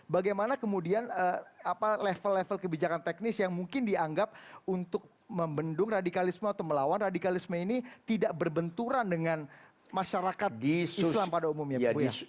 bagaimana kemudian level level kebijakan teknis yang mungkin dianggap untuk membendung radikalisme atau melawan radikalisme ini tidak berbenturan dengan masyarakat islam pada umumnya